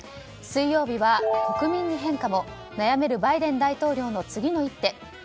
水曜日は国民に変化も悩めるバイデン大統領の次の一手。